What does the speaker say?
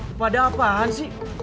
apa ada apaan sih